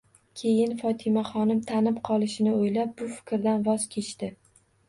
Keyin Fotimaxonim tanib qolishini o'ylab bu fikrdan voz kechdi.